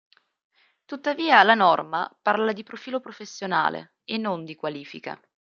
Tuttavia la norma parla di "profilo professionale" e non di "qualifica".